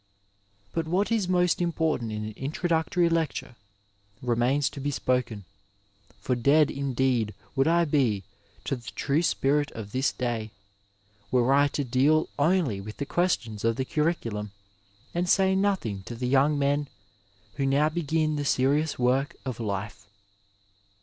Ill But what is most important in an introductory lecture remains to be spoken, for dead indeed would I be to the true spirit of this day, were I to deal only with the questions of the curriculum and say nothing to the yoimg men who now begin the serious work of life.